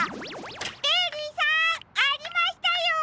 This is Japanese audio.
ベリーさんありましたよ！